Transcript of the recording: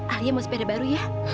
alia mau sepeda baru ya